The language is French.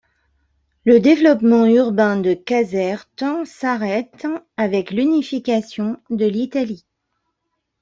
Le développement urbain de Caserte s'arrête avec l'unification de l'Italie.